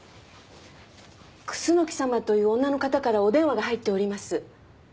楠木様という女の方からお電話が入っております。